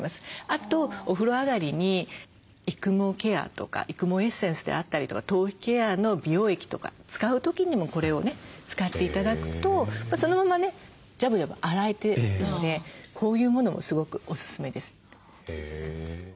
あとお風呂上がりに育毛ケアとか育毛エッセンスであったりとか頭皮ケアの美容液とか使う時にもこれをね使って頂くとそのままねジャブジャブ洗えるのでこういうものもすごくおすすめです。